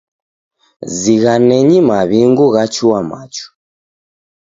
Zighanenyi maw'ingu ghachua machu.